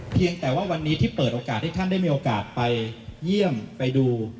เพียงแต่ว่าวันนี้ที่เปิดโอกาสให้ท่านได้มีโอกาสไปเยี่ยมไปดู